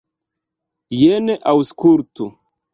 Jen, aŭskultu.